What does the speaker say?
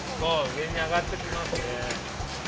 うえにあがってきますね。